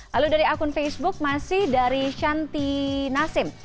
lalu dari akun facebook masih dari shanti nasim